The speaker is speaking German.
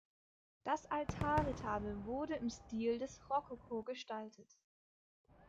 Das Altarretabel wurde im Stil des Rokoko gestaltet.